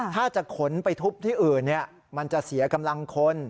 ถ้าจะขนไปทุบที่อื่นมันจะเสียกำลังคน